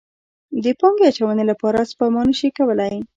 د پانګې اچونې لپاره سپما نه شي کولی.